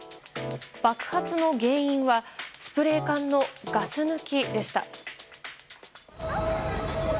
爆発の原因はスプレー缶のガス抜きでした。